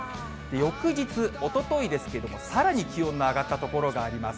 翌日、おとといですけども、さらに気温の上がった所があります。